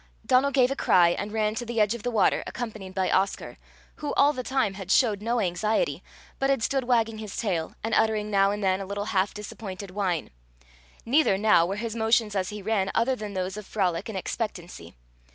Donal gave a cry, and ran to the edge of the water, accompanied by Oscar, who, all the time, had showed no anxiety, but had stood wagging his tail, and uttering now and then a little half disappointed whine; neither now were his motions as he ran other than those of frolic and expectancy.